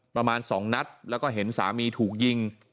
ประมาณ๒นัดแล้วก็เห็นสามีถูกยิง